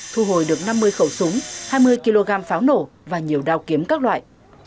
thu hồi được năm mươi khẩu súng hai mươi kg pháo nổ và nhiều đao kiếm các loại